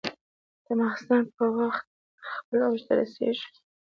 د ماخوستن په وخت خپل اوج ته رسېږي.